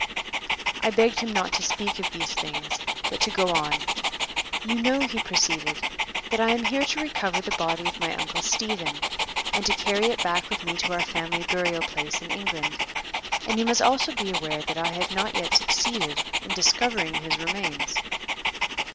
I begged him not to speak of these things, but to go on. "You know," he proceeded, "that I am here to recover the body of my Uncle Stephen, and to carry it back with me to our family burial place in England, and you must also be aware that I have not yet succeeded in discovering his remains.